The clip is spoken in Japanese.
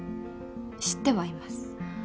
知ってはいます。